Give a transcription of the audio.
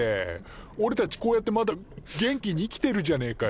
おれたちこうやってまだ元気に生きてるじゃねえかよ。